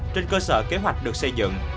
trên cơ sở kế hoạch được xây dựng